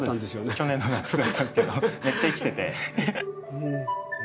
去年の夏だったんですけどめっちゃ生きてて。